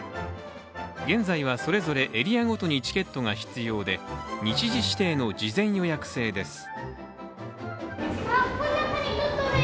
現在はそれぞれエリアごとにチケットが必要で日時指定の事前予約制です。